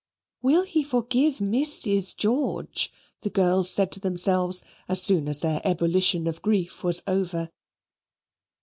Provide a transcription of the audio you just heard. "Will he forgive Mrs. George?" the girls said to themselves as soon as their ebullition of grief was over.